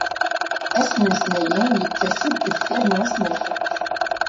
Ass n letnayen yettas-d deffir n wass n lḥedd.